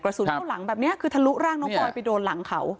เข้าหลังแบบนี้คือทะลุร่างน้องปอยไปโดนหลังเขา